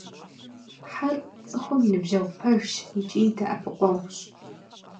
Хьэр – цӏыхум и ныбжьэгъу пэжщ икӏи и дэӏэпыкъуэгъущ.